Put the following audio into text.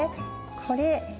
これ。